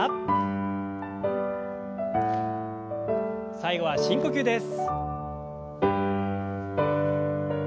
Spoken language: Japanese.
最後は深呼吸です。